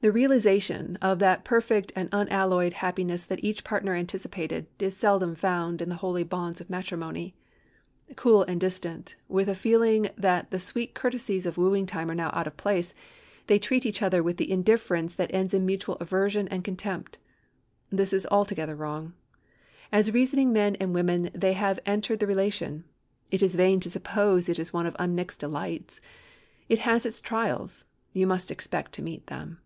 The realization of that perfect and unalloyed happiness that each partner anticipated is seldom found in the holy bonds of matrimony. Cool and distant, with a feeling that the sweet courtesies of wooing time are now out of place, they treat each other with an indifference that ends in mutual aversion and contempt. This is altogether wrong. As reasoning men and women they have entered the relation; it is vain to suppose it is one of unmixed delights. It has its trials. You must expect to meet them.